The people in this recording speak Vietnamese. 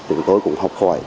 chúng tôi cũng học hỏi